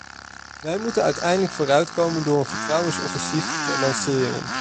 Wij moeten eindelijk vooruitkomen door een vertrouwensoffensief te lanceren.